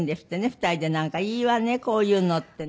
２人でなんかいいわねこういうのってね。